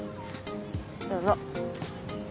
どうぞ。